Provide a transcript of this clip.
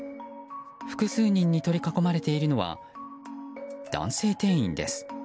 複数人に取り囲まれているのは男性店員です。